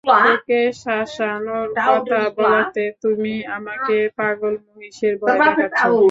ওকে শাসানোর কথা বলাতে তুমি আমাকে পাগল মহিষের ভয় দেখাচ্ছ?